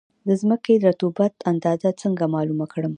د ځمکې د رطوبت اندازه څنګه معلومه کړم؟